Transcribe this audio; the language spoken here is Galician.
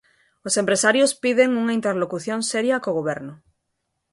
Os empresarios piden unha interlocución seria co goberno.